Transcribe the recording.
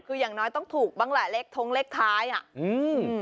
คืออย่างน้อยต้องถูกบ้างแหละเลขทงเลขท้ายอ่ะอืม